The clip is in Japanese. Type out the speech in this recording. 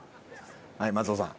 はい松尾さん。